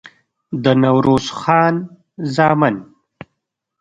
د نوروز خان زامن